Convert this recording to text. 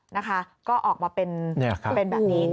นะคะก็ออกมาเป็นแบบนี้